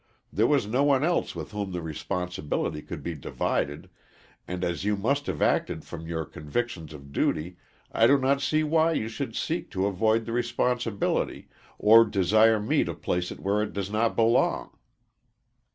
There was no one else with whom the responsibility could be divided, and as you must have acted from your convictions of duty, I do not see why you should seek to avoid the responsibility, or desire me to place it where it does not belong.